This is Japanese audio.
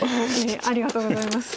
ありがとうございます。